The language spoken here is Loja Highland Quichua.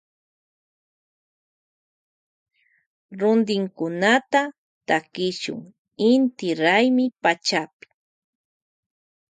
Rontinkunata takishun inti raymi pachapi.